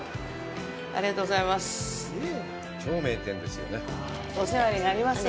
ありがとうございます。